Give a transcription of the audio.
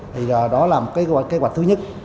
thì đó là một cái kế hoạch thứ nhất